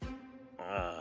ああ。